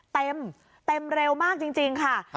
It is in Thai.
เต็มเต็มเร็วมากจริงค่ะ